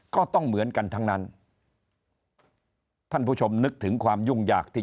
ก็ต้องเหมือนกันทั้งนั้นท่านผู้ชมนึกถึงความยุ่งยากที่